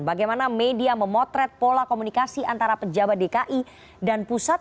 bagaimana media memotret pola komunikasi antara pejabat dki dan pusat